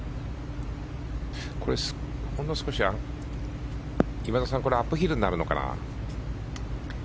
ほんの少し、今田さんアップヒルになるのかな。